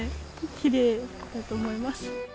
きれいだと思います。